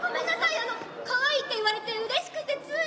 あのかわいいって言われてうれしくてつい。